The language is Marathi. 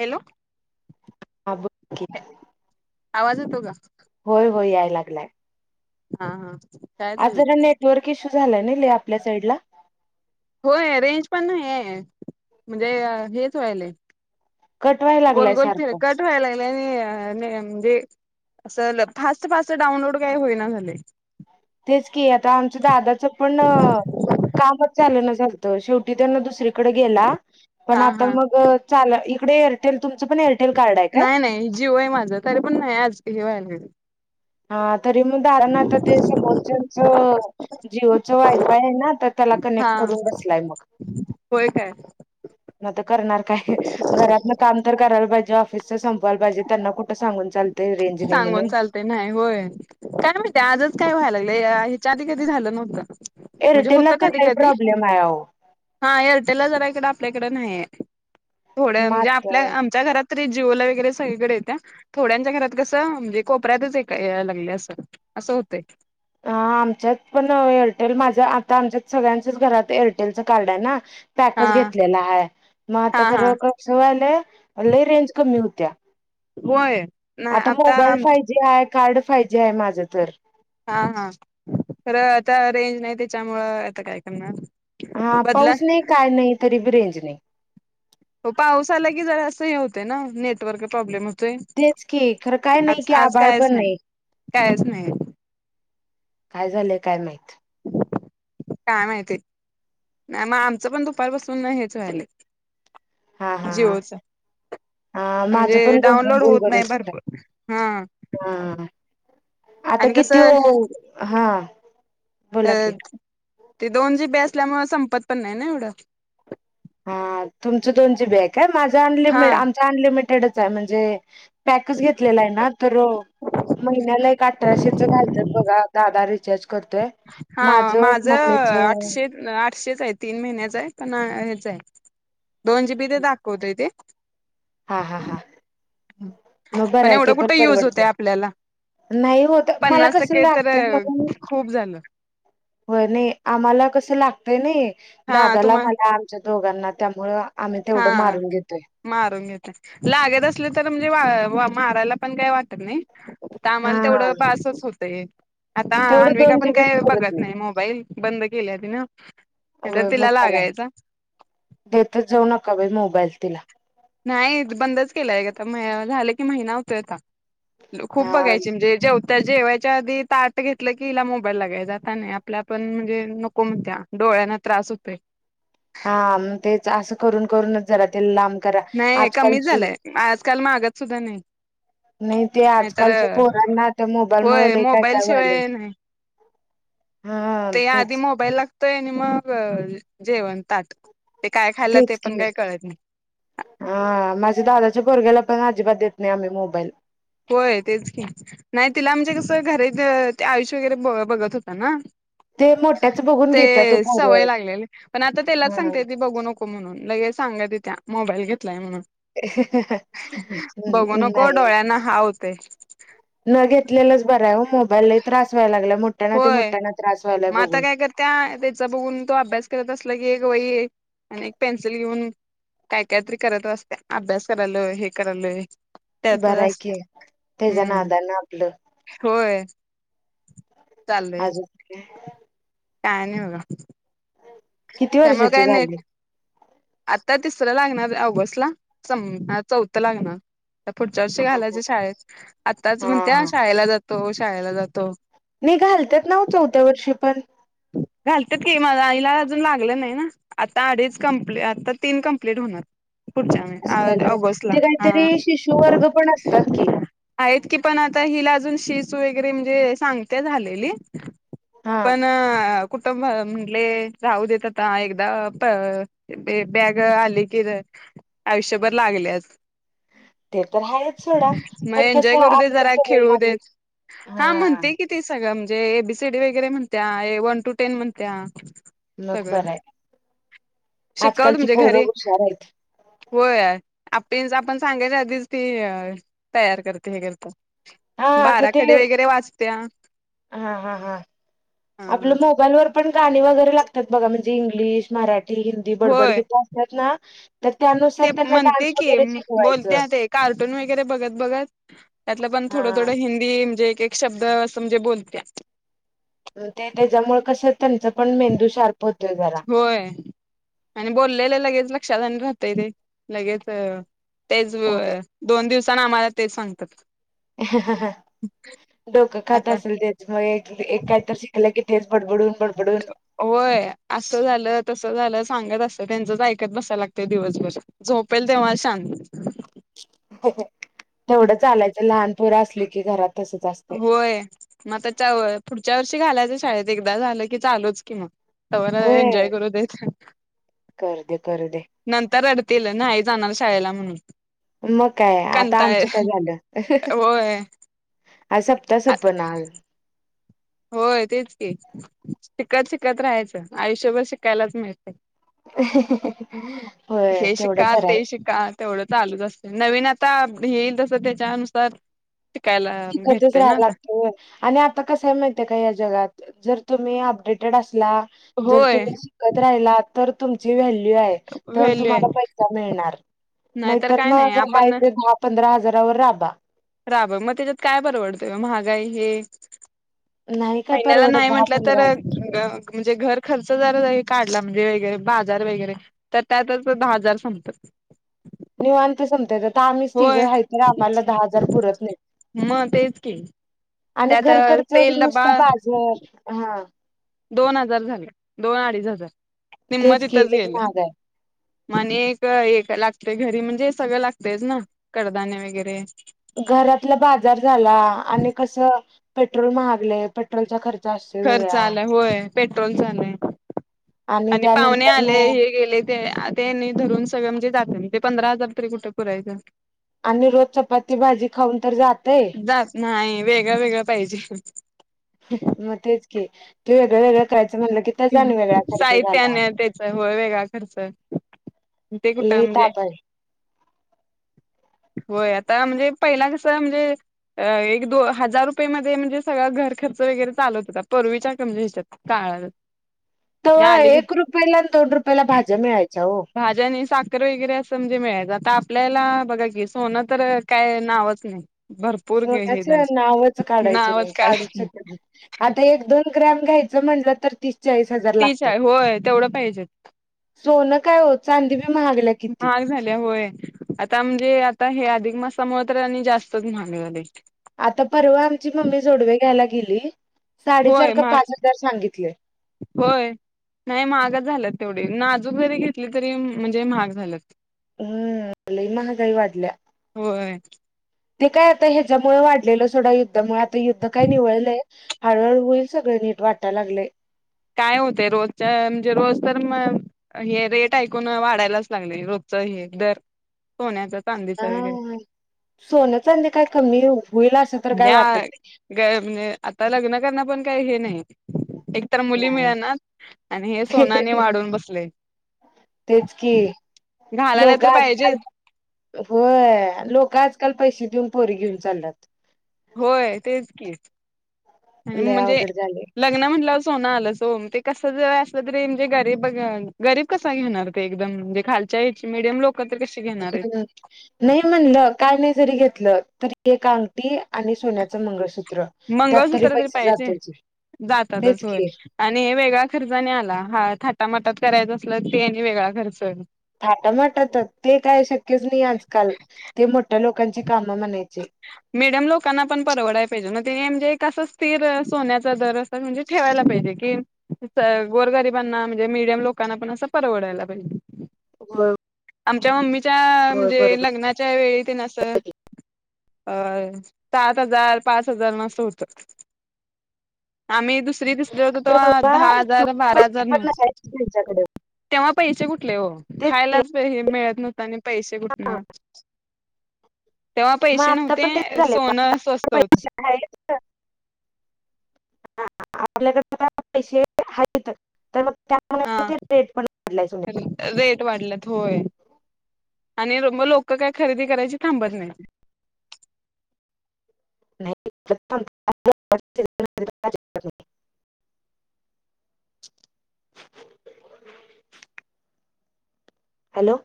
हॅलो... हा बोल की आवाज यतो का? होय होय याय लागलाय. हा.. हा.. काय आज चाललंय जरा नेटवर्क इश्यू झालाय ना ल आपल्या साईड ला. होय रेंज पण नाही आहे म्हणजे हेच व्हायल आहे. कट व्हाय लागलाय गोलगोल सारखं फिरकट व्हायला लागले आणि म्हणजे अस फास्ट फास्ट डाऊनलोड काही होईना झाले. तेच की आता आमचं दादाचं पण कामच चालना झालतं शेवटी त्यांना दुसर पुढ गेला पण हा आता हा मग चला इकडं एरटल तुमच पण एरटेल नाही नाही जीओ आहे माझं तरी पण नाही आज हे व्हायलय. हा तरी मग दादा मग आता ते समोरच्याचं जिओचं वायफाय आहे ना. त्याला हा कनेक्ट करून बसलाय मग. होय काय म तर करणार काय घरातन काम तर करायला पाहिजे ऑफिसच संपवायला पाहिजे त्यांना कुठं सांगून चालतं. सांगून चालतं. ते नाही होय काय नाही माहिती आजच काय व्हायला लागलं हच्या आधी कधी झालं नव्हतं. एरे म्हणजे तेला होतं तरी कधी काय कधी प्रॉब्लेम आहे हो हा एअरटेलला जरा इकडं आपल्याकडे नाहीये. थोड्या म्हणजे मात आपल्या आमच्या घरात जिओ ला वगैरे सगळीकडे येत्या. थोड्यांच्या घरात कस म्हणजे कोपऱ्यातच लागले अस असं होत. ह आमच्यात पण एअरटेल. माझं आता आमच्यात सगळ्यांचच घरात एअरटेलचं कार्ड आहे ना. पॅकच हा. घेतलेला आहे मग हा आता हा खरं. होय हॅलो आव लय रेंज कमी होत्या होय ना आता मोबाईल सा तिला कार्ड फायजे आहे माझं तर, हा हा खरं आता रेंज नाही त्याच्यामुळं आता काय करणार. हा बदला पाऊस नाही काय नाही तरी बी रेंज नाही. हो पाऊस आला की जरा असं हे होते ना नेटवर्क प्रॉब्लेम हो तेच की खरं काय नाही आज की आज आभाळ कायच पण नाही कायच नाही. काय झालंय काय माहीत. काय माहिती. नाही मग आमचं पण दुपार बसून नाही हेच व्हाले. हा हा जिओ हा चं. हा माझं पण ग गोलगच हात्या भरपूर हा हा. आता आणि किती कसं वेळ हा. बोला अ की ते दोन जीबी असल्यामुळे संपत पण नाही ना एवढं. हा तुमचं दोन जीबी हाय काय. माझा हा अनलिम आमचा अनलिमिटेडच आहे म्हणजे. पॅकच घेतलेला आहे ना तर, महिन्याला एक अठराशेच घालतयात बघा दादा रिचार्ज करतोयं. हा माझ आठशे आठशेच आहे. तीन महिन्याच आहे. पण हेच आहे. दोन जी बी ते दाखवत ते हा हा हा मग बर आहे ते एवढं पण कुठं युज होतय परवडतय. आपल्याला नाही होत. मला पन्नास कस टक्के तर लागतयं मगं मी खूप झालं होय नाही आम्हाला कस लागतय नाही हा दादाला तुम्हा मला च्या दोघांना त्यामुळ हा. मारून घेतय लागत असले तर म्हणजे मारायला पण काय वाटत नाही. तर कामाला हा तेवढं बासच होतय, आता तेवढं अन्बिका दोन पण जी बी काय पुरत बघत नाही मोबाईल बंद केल्या ती न. इथं होय मग तिला बरं आहे लागायचा. देतच जाऊ नका बाई मोबाईल तिला. नाही बंदच केलंय का आता म झाले की महिना होतोय आता. खूप हा बघायची म्हणजे जे तर जेवायच्या आधी ताट घेतलं की हिला मोबाईल लागाय जाता नाही आपल्या पण म्हणजे नको म्हणत्या. डोळ्यांना त्रास होतेो हाग तेच असं करून करूनच जरा ते लांब करा नाही कमी आजकालची झालंय. आजकाल मागात सुद्धा नाही. ते नाही तर आजकालच्या पोरांना त्या मोबाईल मुळे होय लय काय मोबाईल काय व्हायलय शिवाय नाही. हा ते आधी तेच मोबाईल ला. य आणि मग जेवण ताट ते काय खायला ते तेच पण की काही कळत नाही. हा माझ्या दादाच्या पोरग्याला पण अजिबात देत नाही आम्ही मोबाईल होय तेच की नाही तिला म्हणजे कसं घरी आयुष्य वगैरे ब बघत होता ना. ते मोठ्याच बघून घेत्यात ओ ते सवय पोरं लागलेले पण आता त्यालाच हा सांगते ती बघू नको म्हणून लगेच सांगत ईत्या मोबाईल घेतलाय म्हणून. बघू हम्म नको नाहीयं. डोळ्यांना हा होतय न घेतलेलंच बरं आहे हो मोबाईल लय त्रास व्हाय लागला मोठ्याना ते मोठ्यांना त्रास व्हायलाय बघूनं. त्या त्याचा बघून तो अभ्यास करत असला की एक वई आणि एक पेन्सिल घेऊन. काय काय तरी करत असते अभ्यास कराल हे करायलय. बरं आहे कि तेच्या हम्म नाद न आपलं होय. चाललंय अजून काय? काय नाही बघा. किती त्यामुळे वर्षाची काय नाही झाली? आता तिसरं लागणार ऑगस्ट ला संप चौथं लागणार. पुढच्या हा वर्षी हा घालायचें शाळेत आत्ताच हा हा म्हणते शाळेला जातो शाळेला जातो. नाही घालत्यात ना चौथ्या वर्षी पण? घालतात कि हिल अजून लागलं नाही ना. आता अडीच कंप्लीट आता तीन कंप्लीट होणार. पुढच्या असं माहीन्यात झालं ऑगस्टला ते हा. काहीतरी शिशु वर्ग पण असतात की आहेत की पण आता हिला अजून शी सु वगैरे म्हणजे सांगते झालेली. हा. पण कुठं म्हटले राहू देत आता एकदा बॅग आली की आयुष्यभर लागल्याच. ते तर आहेच सोडा मग पण कस एन्जॉय करू दे आपल्या जरा सवय खेळू लागली देत हा म्हणते कि. ती सगळं म्हणजे एबीसीडी वगैरे म्हणत्या वन टू टेन म्हणत्या. मग सगळं बरं आहे शिकवलं आजकालची तुमच्या पोरं घरी हुशार आहेत होय आपण आपण सांगायच्या आधीच ती तैयार करते हे करती हा आता ते बाराकडे वगैरे वाचत्या. हा हा हा आपलं मोबाईलवर पण गाणी वगैरे लागतात बघा म्हणजे इंग्लिश मराठी हिंदी. होय बडबडगीत म्हणतेतं ना तर त्यानुसार ते त्यांना म्हणते डान्स की वगैरे शिकवायचं. बोलत्या ते कार्टून वगैरे बघत बघत त्यातलं पण थोडं हा थोडं हिदी ती म्हणजे एक एक शब्द असं म्हणजे बोलत्या. ते त्याच्यामुळे कस त्यांच पण मेंदू शार्प होतोय जरा होय आणि बोललेलं लगेच लक्षात आणि राहतय ते लगेच तेच व दोन दिवसानी आम्हाला तेच सांगतात. डोकं खात असं असेल ते. मग एक काहीत शिकलं की तेच बडबडून बडबडून होय असं झालं तसं झालं सांगत असतं त्यांचच ऐकत बसायला लागत दिवसभर. झोपेल तेव्हा शांत तेवढं चालायचं लहान पोर असली की घरात तसच असतय. होय मगताच्या पुढच्या वर्षी घालायचं शाळेत एकदा झालं की चालूच की मग तेव्हर एन्जॉय करू देत. करु दे करू दे नंतर रडतीलल नाही आ जाणार शाळेला म्हणून मग काय आता कंटाळ आमचं काय झालं होय अ सपता सपना होय तेच की शिकत शिकत राहायचं आयुष्यभर शिकायलाच मिळत हो तेवढं खरं आहे का तेवढं चालूच असते नवीन आता येईल तसं त्याच्यानुसार शिकायला तिकतच भेटते ना राहायला आता लागतोय आणि आता कसय माहिय का या जगात जर तुम्ही अपडेटेड असला जर होय तुम्ही त राहिला तर तुमची व्हॅल्यू आहे तर व्हॅल्यू तुम्हाला आहे पैसा मिळणार नाहीतर काय नाही मग हाय आपण दहा पंधरा हजारावर राबा राब मग त्याच्यात काय परवडतंय महागा हे नाही काय महिन्याला परवडत नाही दहा म्हटलं तर पंधरा हजार म्हणजे घर खर्च जराच आहे काढला म्हणजे वगैरे बाजार वगैरे तर त्यातच दहा हजार संपतात निव आणते सते आता आम्ही तिघ होय रायत आम्हाला दहा हजार पुरत नाही मग तेच की आणि त्यात घरकरच तेल डबा नुसतं बाजर हा दोन हजार झाले दोन अडीच हजार निम्मत तेच की इथच लय गेले महाग आहे आणि एक हे लागते घरी म्हणजे सगळं लागतेच ना कडदाने वगैरे घरातलं बाजार झाला आणि कस पेट्रोल महागले खर्च आलाय होय पेट्रोल चालंय आणि पाहुणे त्यानंतर न आले हे गेले ते ते नाही धरून सगळं म्हणजे जात म्हणजे पंधरा हजार तरी कुठं करायचं आणि रोज चपाती भाजी खाऊन तर जातय सात नाही वेगळं वेगळं पाहिजे मग तेच की तू वेगळं वेगळं करायचं म्हणलं की त्याचा आणि वेगळा खर्च झाला साहित्याने त्याच व वेगळा खर्च ते कुठं लई म्हणजे ताप आहे होय आता म्हणजे पहिला कस म्हणजे एक दोन हजार रुपये मध्ये म्हणजे सगळा घर खर्च वगैरे चालत होता प परवीच्या कमजे ह्याच्यात का त एक रुपयाला आणि दोन रुपयाला भाज्या मिळायच्या हो भाज्या आणि साखर वगैरे असं म्हणजे मिळायचं आता आपल्याला बघा की सोनं तर काय नावच नाही भरपूर हे सोण्या्याचे झालं नावच काढायचे नावच नाही काढू काढाय शक आता एक दोन ग्रॅम घ्यायचं म्हटलं तर तीस जाईस तीस आहे होय तेवढं पाहिजे सोनं काय हो चांदी बी महागल्या किती महाग झाल्या होय आता म्हणजे आता हे अधिक मासामुळे तर त्यांनी जास्तच म्हलेले आता परवा आमची मम्मी जोडवे घ्यायला गेली साडेचार होय का महाग पाच हजार सांगितले होय नाही महागच झालं तेवढी नाजूक जरी घेतली तरी म्हणजे महाग झालंत हम्म लई महागई वाढल्या होय ते काय आता ह्याच्यामुळे वाढलेलं सोडा युद्धामुळे आता युद्ध काय निवळलंय हळूहळू होईल सगळे नीट वाटायला लागले काय होते रोज म्हणजे रोज तर म हे रेट ऐकून वाढायलाच लागले रोजचं हे दर सोन्याच चांदीचं हे सोन्याच काय कमी होईल अस म्हणजे आता लग्न करण पण काही हे नाही तर मुली नाही नाही मिळेना आणि हे सोनाने वाढून बसले तेच कि घालायला लोक तर पाहिजेत आजकाल होय लोक आजकाल पैसे देऊन पोरी घेऊन चाललात होय तेच कीच आणि लय म्हणजे अवघड झालय. लग्न म्हटलं सोनं आलं सोम ते कस ज असलं तरी म्हणजे गरीब गरीब क घेणार एकमे खालच्याडयम लोक कत कशी घेणार आहेत. हम् नाही म्हणलं काय नाही जरी घेतलं तरी एक अगटठी आणि सोन्याचं मंगळसूत्र त्यात मंगळसूत्र तरी पैसे पाहिजे जातोयच जातातच तेच होय की आणि हे वेगळा खर्चने आला हा थाटामाटात करायचं असलं ते वेगळा खर्च थाटामाटात ते काय शक्यच नाही आजकाल ते मोठ्या लोकांची कामं म्हणायचे मिडम लोकांना पण परवडाय पाहिजे ना ति म्हणजे कसं स्थिर सोन्याचा दर म्हणजे ठेवायला पाहिजे की गोरगरिबांना म्हणजे मिडियम लोकांना पण असं परवडायला पाहिजे हो आमच्या मम्मीच्या म्हणजे लग्नाच्या वेळी ते न अ सात हजार पाच हजार मस् होत आम्ही दुसरी दिसले होतो तेव्हा दहा हजार बारा पैसे हजार नऊ पण नसायचे त्यांच्याकडे तेव्हा पैसे कुठले हो तेच की. खायलाच मिळत नव्हतता आणि पैसे कुठन मग आता पण तेच नव्हते झालं प सोनं स्वस्त होत आपल्याक पैसे तर मग त्या हा रेट पण घडलायच रेट वाटलात होय आणि मग लोक काय खरेदी करायची थांबत नाही नाही म आहे हॅलो